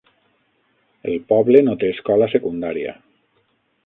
El poble no té escola secundària.